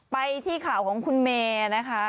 ไปที่ข่าวของคุณเมย์นะคะ